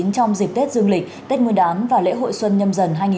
trong dịp tết dương lịch tết nguyên đán và lễ hội xuân nhâm dần hai nghìn hai mươi